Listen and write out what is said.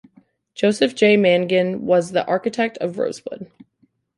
Joseph J. Mangan was the architect of Rosewood.